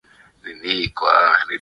Yote chini yakiisha.